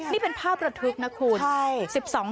นี่เป็นภาพระทึกนะคุณ